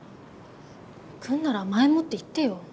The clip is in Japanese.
来んなら前もって言ってよ。